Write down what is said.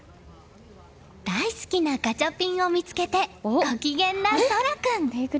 大好きなガチャピンを見つけてご機嫌な空君！